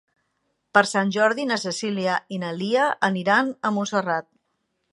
Per Sant Jordi na Cèlia i na Lia aniran a Montserrat.